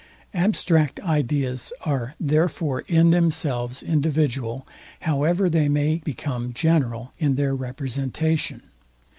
Abstract ideas are therefore in themselves individual, however they may become general in their representation.